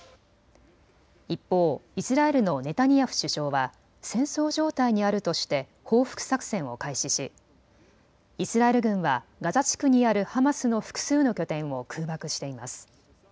一方、イスラエルのネタニヤフ首相は戦争状態にあるとして報復作戦を開始し、イスラエル軍はガザ地区にあるハマスの複数の拠点を空爆しています。